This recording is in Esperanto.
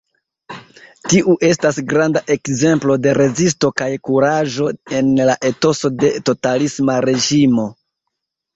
Tiu estas granda ekzemplo de rezisto kaj kuraĝo en la etoso de totalisma reĝimo.